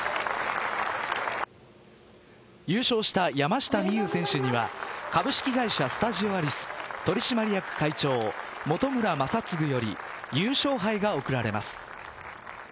優勝した山下美夢有選手には株式会社スタジオアリス取締役会長、本村昌次より優勝杯が贈られます。